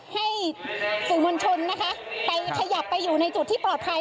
ให้สื่อมวลชนนะคะไปขยับไปอยู่ในจุดที่ปลอดภัย